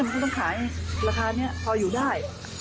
ก็ต้องขายราคานี้พออยู่ได้